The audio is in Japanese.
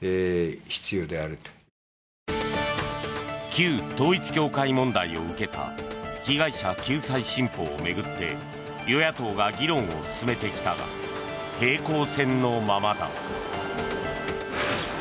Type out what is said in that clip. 旧統一教会問題を受けた被害者救済の新法を巡って与野党が議論を進めてきたが平行線のままだ。